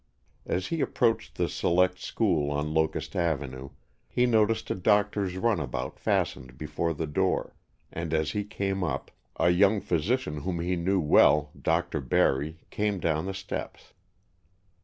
As he approached the Select School on Locust Avenue, he noticed a doctor's runabout fastened before the door, and, as he came up, a young physician whom he knew well. Dr. Barry, came down the steps.